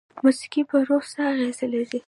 موسیقي په روح څه اغیزه لري؟